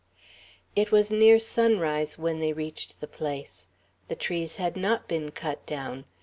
It was near sunrise when they reached the place. The trees had not been cut down.